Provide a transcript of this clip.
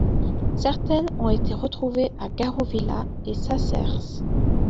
Certaines ont été retrouvées à Garrovilla et Caceres.